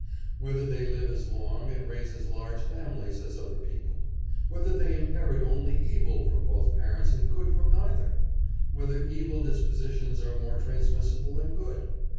Whether they live as long and raise as large families as other peo ple ? Whether they inherit only evil from both parents and good from neither ? Whether evil dispositions are more transmissible than good